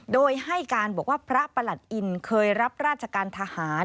โดยให้การบอกว่าพระประหลัดอินเคยรับราชการทหาร